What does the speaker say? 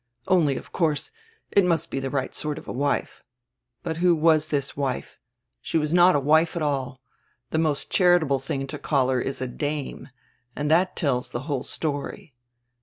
Only, of course, it must be die right sort of a wife. But who was diis wife? She was not a wife at all. The most charitable tiling to call her is a 'dame,' and diat tells die whole story.